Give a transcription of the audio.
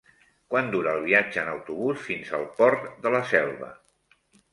Quant dura el viatge en autobús fins al Port de la Selva?